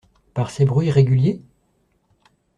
Par ses bruits réguliers?